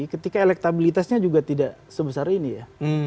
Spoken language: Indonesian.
ketika elektabilitasnya juga tidak sebesar ini ya